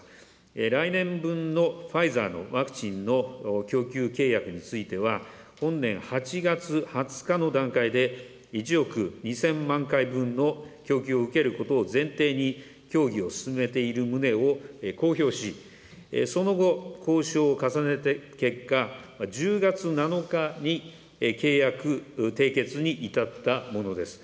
来年分のファイザーのワクチンの供給契約については、本年８月２０日の段階で、１億２０００万回分の供給を受けることを前提に、協議を進めている旨を公表し、その後、交渉を重ねた結果、１０月７日に、契約締結に至ったものです。